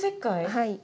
はい。